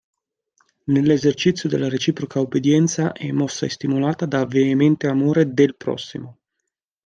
Nell'esercizio della reciproca obbedienza è mossa e stimolata da veemente amore del prossimo.